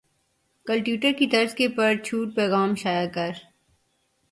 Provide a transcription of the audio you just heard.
کل ٹیوٹر کی طرز کے پر چھوٹ پیغام شائع کر